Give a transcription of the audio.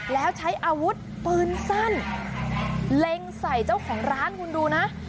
แล้วใช้อาวุธปืนสั้นเล็งใส่เจ้าของร้านคุณดูนะ